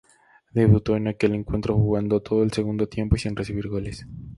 Debutó en aquel encuentro jugando todo el segundo tiempo y sin recibir goles.